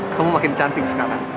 kamu makin cantik sekarang